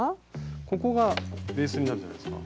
ここがベースになるじゃないですか。